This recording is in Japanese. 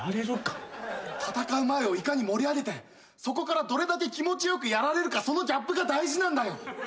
戦う前をいかに盛り上げてそこからどれだけ気持ち良くやられるかそのギャップが大事なんだよ！